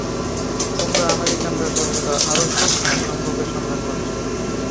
তোমরা আমেরিকানরা সর্বদা আরও সুখ আর সম্ভোগের সন্ধান করছ।